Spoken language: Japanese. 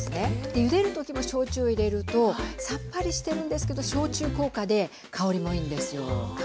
でゆでる時も焼酎を入れるとさっぱりしてるんですけど焼酎効果で香りもいいんですよ。